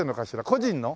個人の。